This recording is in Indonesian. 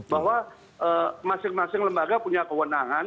bahwa masing masing lembaga punya kewenangan